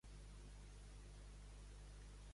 Ser un felló.